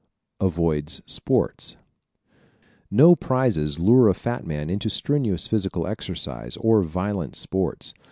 Avoids Sports ¶ No prizes lure a fat man into strenuous physical exercise or violent sports.